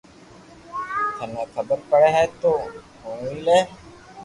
ٿني خبر پڙي ھي تو ھڻَو وي لي